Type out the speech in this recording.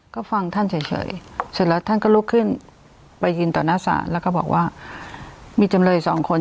ก็ฟังท่านเฉยเสร็จแล้วท่านก็ลุกขึ้นไปยืนต่อหน้าศาลแล้วก็บอกว่ามีจำเลยสองคน